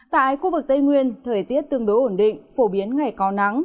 tại khu vực tây nguyên thời tiết tương đối ổn định phổ biến ngày có nắng